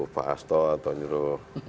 pak astor atau nyuruh